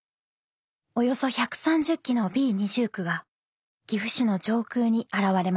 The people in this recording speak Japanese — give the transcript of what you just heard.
およそ１３０機のＢ−２９が岐阜市の上空に現れました。